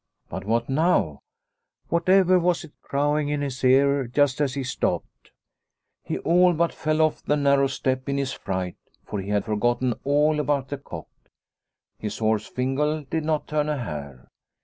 But what now ? Whatever was it crowing in his ear just as he stopped ? He all but fell off the narrow step in his fright, for he had forgotten all about the cock. His horse Fingal did not turn a hair.